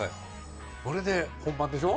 それで、本番でしょ。